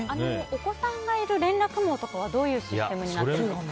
お子さんがいる連絡網とかはどういうシステムになってるんですか？